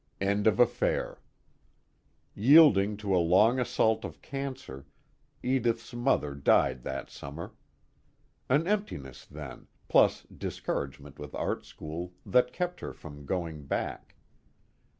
End of affair. Yielding to a long assault of cancer, Edith's mother died that summer. An emptiness then, plus discouragement with art school that kept her from going back.